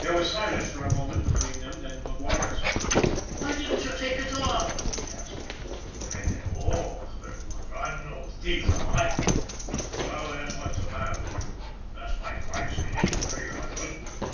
There was silence for a moment between them ; then McGuire spoke :" Why didn't you take it all ?" he asked. " Take it all !" flared Munford. " I'm no thief, am I? Well, then, what's the matter with you? That's my price, ain't it ? Three hundred.